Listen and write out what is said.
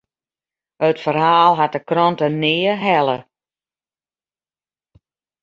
It ferhaal hat de krante nea helle.